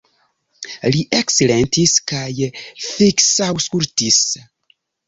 Li eksilentis kaj fiksaŭskultis.